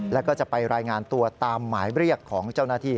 แล้วก็จะไปรายงานตัวตามหมายเรียกของเจ้าหน้าที่